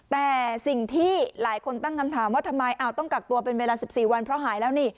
แต่สิ่งที่หลายคนตั้งคำถามว่าทำไมต้องกักตัวเป็นเวลา๑๔วันเพราะหายแล้วนี่